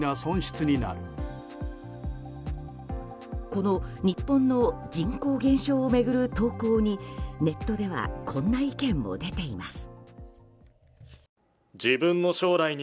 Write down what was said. この日本の人口減少を巡る投稿にネットではこんな意見も出ています。